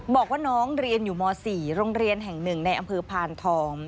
บอกว่าน้องเรียนอยู่ม๔โรงเรียนแห่ง๑ในอำเภอพานทอง